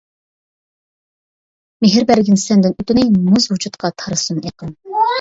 مېھىر بەرگىن سەندىن ئۆتۈنەي، مۇز ۋۇجۇدقا تارىسۇن ئېقىم.